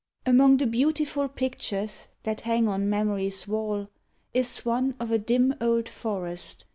A.\io\<; the beautiful pictures That hang on Memory's wall Is one of a dim old forest.